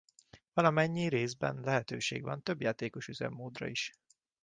Valamennyi részben lehetőség van többjátékos üzemmódra is.